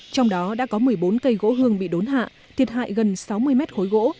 trong đó đã có một mươi bốn cây gỗ hương bị đốn hạ thiệt hại gần sáu mươi mét khối gỗ